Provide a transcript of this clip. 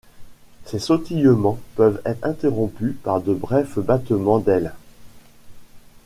Ces sautillements peuvent être interrompus par de brefs battements d’ailes.